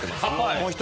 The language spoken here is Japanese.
・もう一人。